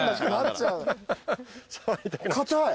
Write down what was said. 硬い。